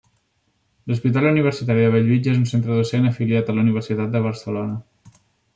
L'Hospital Universitari de Bellvitge és un centre docent afiliat a la Universitat de Barcelona.